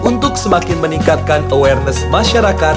untuk semakin meningkatkan awareness masyarakat